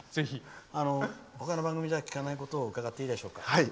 他の番組じゃ聞かないことを伺っていいでしょうか。